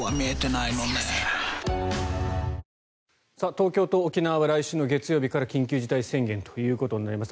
東京と沖縄は来週の月曜日から緊急事態宣言ということになります。